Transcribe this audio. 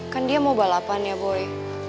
kan dia mau balapan ya boleh